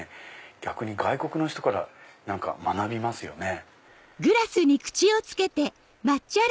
逆に外国の人から学びますよね。